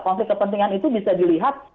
konflik kepentingan itu bisa dilihat